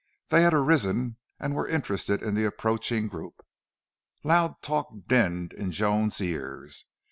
They had arisen and were interested in the approaching group. Loud talk dinned in Joan's ears.